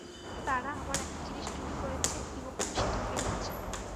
তারা আমার একটা জিনিস চুরি করেছে এবং আমি সেটা ফেরত চাই।